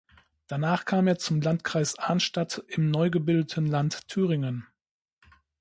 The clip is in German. Danach kam er zum Landkreis Arnstadt im neu gebildeten Land Thüringen.